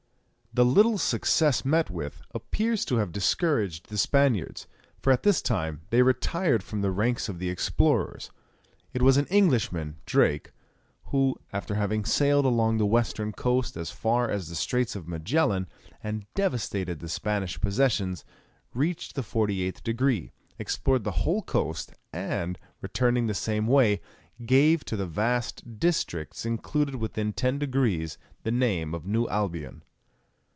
The little success met with appears to have discouraged the Spaniards, for at this time they retired from the ranks of the explorers. It was an Englishman, Drake, who, after having sailed along the western coast as far as the Straits of Magellan, and devastated the Spanish possessions, reached the forty eighth degree, explored the whole coast, and, returning the same way, gave to the vast districts included within ten degrees the name of New Albion.